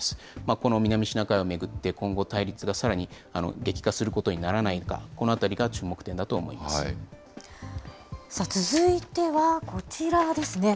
この南シナ海を巡って、今後、対立がさらに激化することにならないか、このあたりが注目点だと思さあ、続いてはこちらですね。